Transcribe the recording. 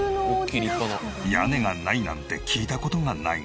「屋根がない」なんて聞いた事がないが。